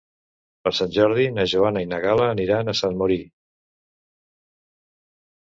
Per Sant Jordi na Joana i na Gal·la aniran a Sant Mori.